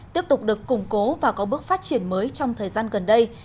tiếp tục được củng cố và có bước phát triển mới trong thời gian gần đây